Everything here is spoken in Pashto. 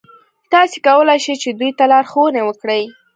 تاسې کولای شئ چې دوی ته لارښوونه وکړئ.